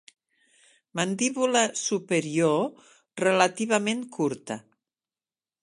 Mandíbula superior relativament curta.